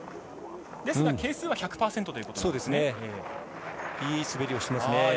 ですが、係数は１００％ということですね。